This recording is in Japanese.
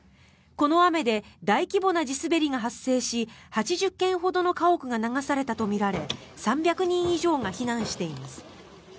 この雨で大規模な地滑りが発生し８０軒ほどの家屋が流されたとみられ３００人以上が避難しています。